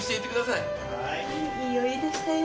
いいお湯でしたよ。